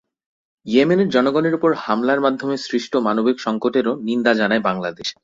ইয়েমেনের জনগণের ওপর হামলার মাধ্যমে সৃষ্ট মানবিক সংকটেরও নিন্দা জানায় বাংলাদেশ।